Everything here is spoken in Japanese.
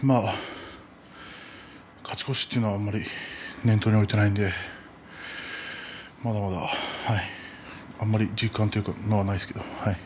勝ち越しというのはあまり念頭に置いていないのでまだまだあまり実感というものはないです。